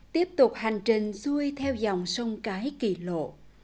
tiếp tục hành trình xuôi theo dòng sông cái kỳ lộ